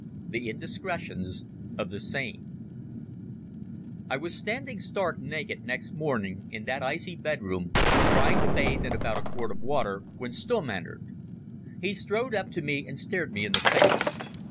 The Indiscretions of the Same I was standing stark naked next morning in that icy bedroom, trying to bathe in about a quart of water, when Stumm entered. He strode up to me and stared me in the face.